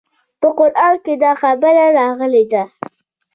په قران کښې دا خبره راغلې ده.